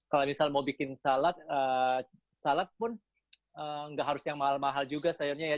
kalau misal mau bikin salad salad pun nggak harus yang mahal mahal juga sayurnya ya